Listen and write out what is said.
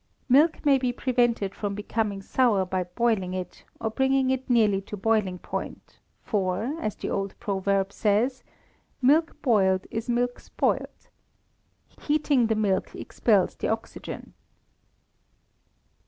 Milk may be prevented from becoming sour by boiling it, or bringing it nearly to boiling point, for, as the old proverb says, "Milk boiled is milk spoiled." Heating the milk expels the oxygen.